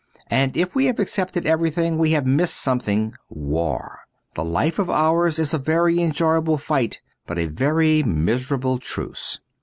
And if we have accepted everything we have missed something — war. This life of ours is a very enjoyable fight, but a very miserable truce.